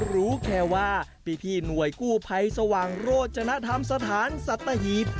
รู้แค่ว่าพี่หน่วยกู้ภัยสว่างโรจนธรรมสถานสัตหีบ